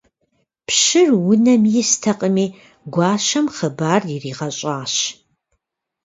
Пщыр унэм истэкъыми, гуащэм хъыбар иригъэщӏащ.